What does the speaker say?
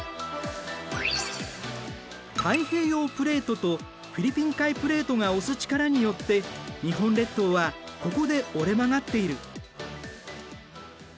太平洋プレートとフィリピン海プレートが押す力によって日本列島はここで折れ曲がっている。